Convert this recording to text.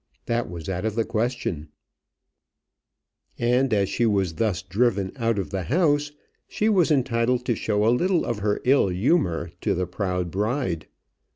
That was out of the question, and as she was thus driven out of the house, she was entitled to show a little of her ill humour to the proud bride.